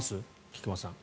菊間さん。